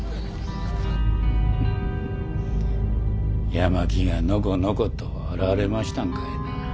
八巻がのこのこと現れましたんかいな。